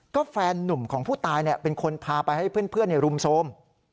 ก็แฟนนุ่มของผู้ตายเป็นคนพาไปให้เพื่อนรุมโทรม